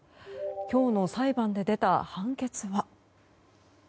今日の裁判で出た判決は。